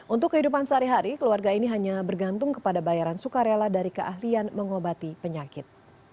untuk kehidupan sehari hari keluarga ini hanya bergantung kepada bayaran sukarela dari keahlian mengobati penyakit